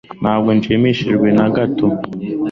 ntabwo nshimishijwe na gato